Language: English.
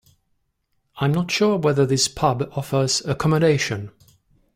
I’m not sure whether this pub offers accommodation